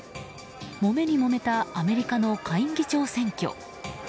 もめにもめたアメリカの下院議長選挙。